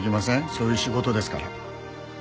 そういう仕事ですから。